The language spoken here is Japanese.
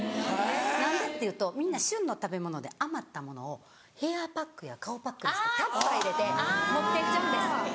何でっていうとみんな旬の食べ物で余ったものをヘアパックや顔パックにしてタッパー入れて持ってっちゃうんです。